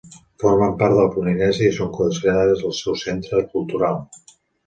Formen part de la Polinèsia i són considerades el seu centre cultural.